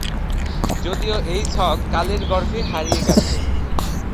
যদিও এই ছক কালের গর্ভে হারিয়ে গেছে।